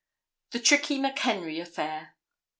The Trickey McHenry Affair.